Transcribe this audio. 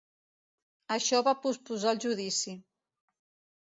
Això va posposar el judici.